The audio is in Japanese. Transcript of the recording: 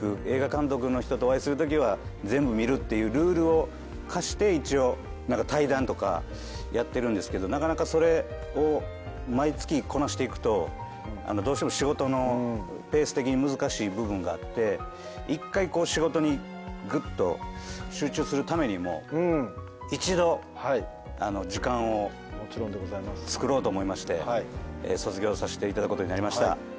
映画監督の人とお会いするときは全部見るってルールを課して一応対談とかやってるんですけどなかなかそれを毎月こなしていくとどうしても仕事のペース的に難しい部分があって１回仕事にグッと集中するためにも一度時間をつくろうと思いまして卒業させていただくことになりました。